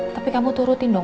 tapi kamu tuh rutin dong